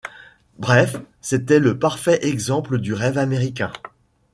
Bref, c'était le parfait exemple du rêve américain.